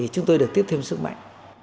chúng tôi được tiếp thêm sức mạnh